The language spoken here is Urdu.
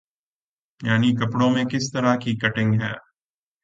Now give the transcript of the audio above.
یعنی کپڑوں میں کس طرح کی کٹنگ ہے،